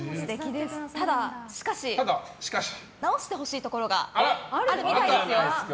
ただ、しかし直してほしいところがあるみたいですよ。